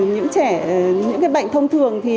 những bệnh thông thường